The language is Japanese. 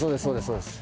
そうです